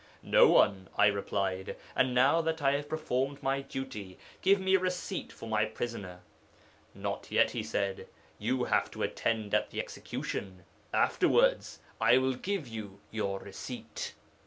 "No one," I replied, "and now that I have performed my duty, give me a receipt for my prisoner." "Not yet," he said; "you have to attend at the execution; afterwards I will give you your receipt."